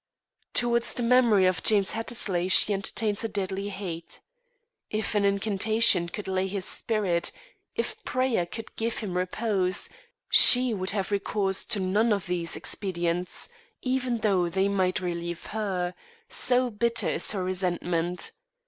Towards the memory of James Hattersley she entertains a deadly hate. If an incantation could lay his spirit, if prayer could give him repose, she would have recourse to none of these expedients, even though they might relieve her, so bitter is her resentment.